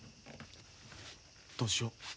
どうしよう。